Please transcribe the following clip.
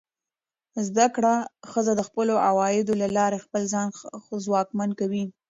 زده کړه ښځه د خپلو عوایدو له لارې خپل ځان ځواکمن کوي.